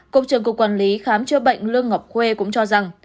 cục trưởng cục quản lý khám chữa bệnh lương ngọc khuê cũng cho rằng